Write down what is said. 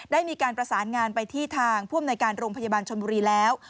ได้มีการประสานงานไปที่ทางผู้อำนวยการโรงพยาบาลชนบุรีแล้ว